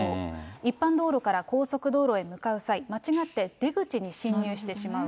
一般道路から高速道路へ向かう際、間違って出口に進入してしまう。